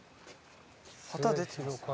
旗出てます。